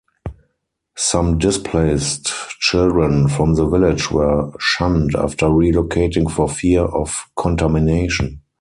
Some displaced children from the village were shunned after relocating for fear of contamination.